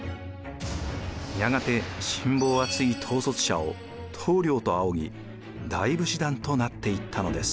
やがて信望厚い統率者を棟梁と仰ぎ大武士団となっていったのです。